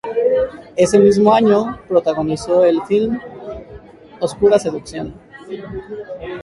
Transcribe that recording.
Ese mismo año protagonizó el film "Oscura seducción.